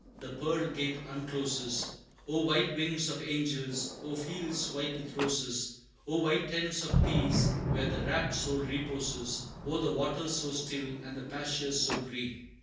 the pearl gate uncloses! O white wings of angels! O fields white with roses! O white tents of peace, where the rapt soul reposes O the waters so still, and the pastures so green!"